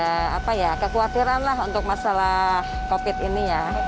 nggak ada kekhawatiran lah untuk masalah covid ini ya